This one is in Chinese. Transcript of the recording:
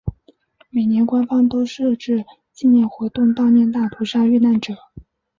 每年官方都设置纪念活动悼念大屠杀遇难者。